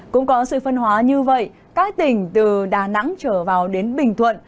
cũng có sự phân hóa như vậy các tỉnh từ đà nẵng trở vào đến bình thuận